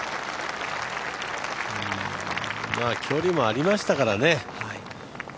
距離もありましたからね。